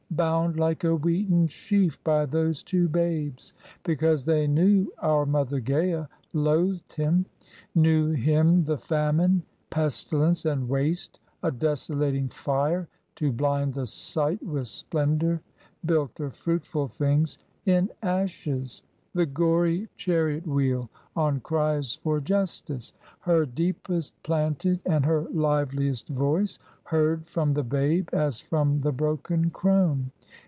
Bound like a wheaten sheaf by those two babes! Because they knew our Mother Gaea loathed him, Knew him the famine, pestilence and waste; A desolating fire to blind the sight With splendour built of fruitful things in ashes; The gory chariot wheel on cries for justice; Her deepest planted and her liveliest voice, Heard from the babe as from the broken crone.